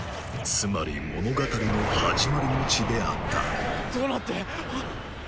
つまり物語の始まりの地であったどうなってハッ！